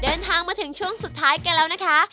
เดินทางมาถึงช่วงสุดท้ายกันแล้วนะคะ